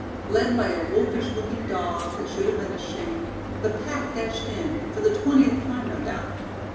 Led by a wolfish looking Dog that should have been ashamed, the pack dashed in, for the twentieth time no doubt.